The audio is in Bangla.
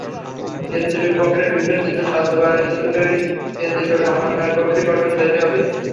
কেন্দ্রীয় কমিটির বিভিন্ন সিদ্ধান্ত বাস্তবায়নের জন্য একটি কেন্দ্রীয় সমন্বয় কমিটি তৈরি হবে।